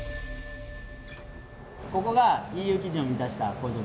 ここがＥＵ基準を満たした工場になります。